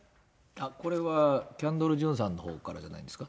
これはキャンドル・ジュンさんのほうからじゃないんですか。